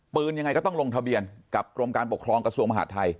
ยังไงก็ต้องลงทะเบียนกับกรมการปกครองกระทรวงมหาดไทย